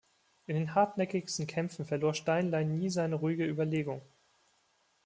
In den hartnäckigsten Kämpfen verlor Steinlein nie seine ruhige Überlegung.